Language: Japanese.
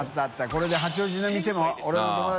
これで八王子の店も兇陵療垢